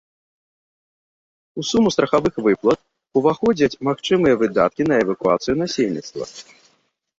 У суму страхавых выплат уваходзяць магчымыя выдаткі на эвакуацыю насельніцтва.